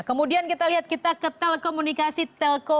kemudian kita lihat kita ke telekomunikasi telkom